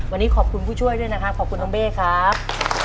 วันนี้ขอบคุณผู้ช่วยด้วยนะครับขอบคุณน้องเบ้ครับ